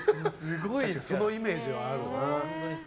そのイメージはあるな。